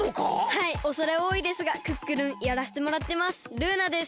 はいおそれおおいですがクックルンやらせてもらってますルーナです。